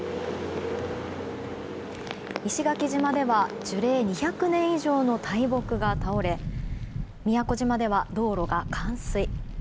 石垣島では樹齢２００年以上の大木が倒れ宮古島では道路が冠水。